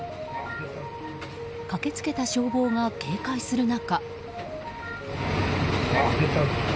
駆けつけた消防が警戒する中。